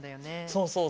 そうそう。